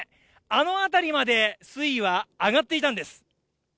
あの辺りまで水位は上がっていたんです